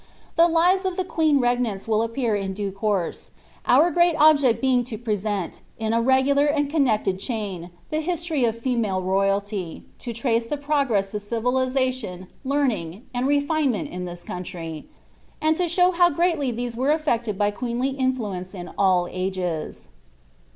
The lives of ilie queen regnants will appear in due course, ourgreat ~'~}e<. t being to present, in a regular and connected chajn, the history lemale royalty, to trace the progress of civilization, learning, aod _ iineinent in thi« country, and to sliow bow greutly these were affected Ifey qtieenly inSuence in all ages.